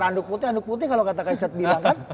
kalau bisa lempar randuk putih kalau kata kaisat bilang kan